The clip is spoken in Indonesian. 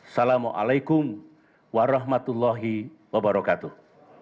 assalamu'alaikum warahmatullahi wabarakatuh